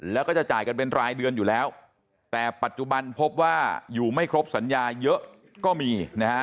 แล้วก็จะจ่ายกันเป็นรายเดือนอยู่แล้วแต่ปัจจุบันพบว่าอยู่ไม่ครบสัญญาเยอะก็มีนะฮะ